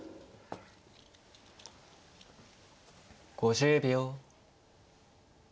５０秒。